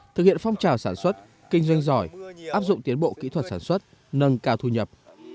thực hiện phong trào sản xuất kinh doanh giỏi áp dụng tiến bộ kỹ thuật sản xuất nâng cao thu nhập